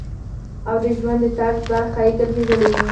او د ژوند د طرز برخه ئې ګرځېدلي وي -